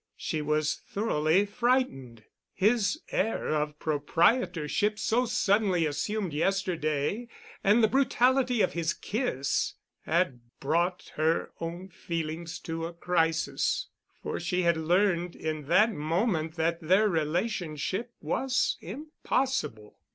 She was thoroughly frightened. His air of proprietorship so suddenly assumed yesterday and the brutality of his kiss had brought her own feelings to a crisis—for she had learned in that moment that their relationship was impossible.